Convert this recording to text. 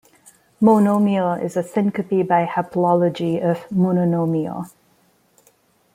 "Monomial" is a syncope by haplology of "mononomial".